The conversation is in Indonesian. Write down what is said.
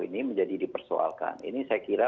ini menjadi dipersoalkan ini saya kira